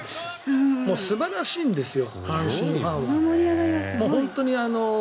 素晴らしいんですよ。